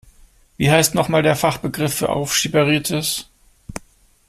Wie heißt noch mal der Fachbegriff für Aufschieberitis?